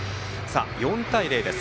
４対０です。